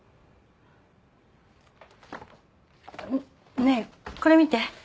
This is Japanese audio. ねえこれ見て。